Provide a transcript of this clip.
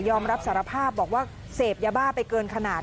รับสารภาพบอกว่าเสพยาบ้าไปเกินขนาด